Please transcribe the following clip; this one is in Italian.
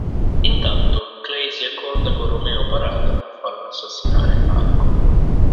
Intanto, Clay si accorda con Romeo Parada per far assassinare Tara.